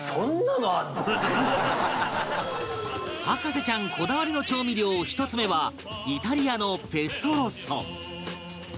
博士ちゃんこだわりの調味料１つ目はイタリアのペストロッソ